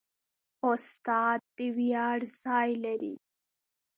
استاد د ویاړ ځای لري.